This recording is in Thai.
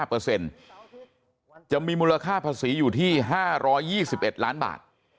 ราคาภาษีอยู่ที่๕๒๑ล้านบาท